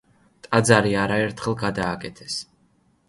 ტაძარი არაერთხელ გადააკეთეს.